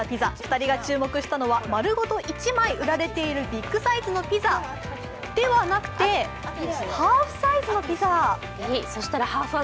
２人が注目したのはまるごと１枚売られているビッグサイズのピザではなくてハーフサイズのピザ。